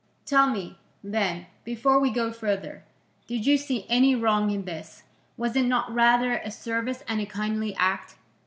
"Tell me, then, before we go further, did you see any wrong in this? Was it not rather a service and a kindly act?"